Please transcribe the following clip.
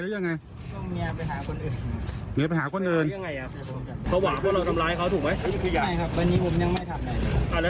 แล้วทำไมเขาผว่าเพราะว่าคุณบีบคอเขา